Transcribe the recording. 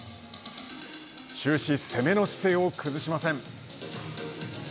終始攻めの姿勢を崩しません。